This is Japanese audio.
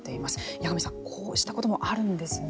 矢上さん、こうしたこともあるんですね。